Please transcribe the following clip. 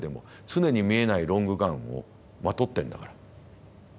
常に見えないロングガウンをまとってんだから。